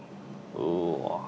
うわ。